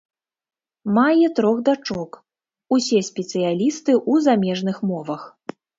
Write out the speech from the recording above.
Мае трох дачок, усе спецыялісты ў замежных мовах.